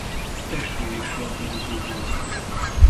Testvére is labdarúgó volt.